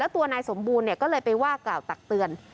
ตัวนายสมบูรณ์ก็เลยไปว่ากล่าวตักเตือน